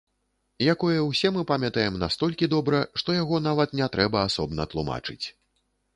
Якое ўсе мы памятаем настолькі добра, што яго нават не трэба асобна тлумачыць.